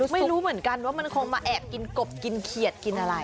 ไม่รู้เหมือนกันว่ามันคงมาแอบกินกบกินเขียดกินอะไร